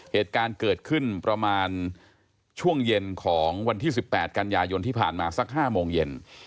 เหตุการณ์เกิดขึ้นประมาณช่วงเย็นของวันที่๑๘กันยายนที่ผ่านมาสัก๕โมงเย็น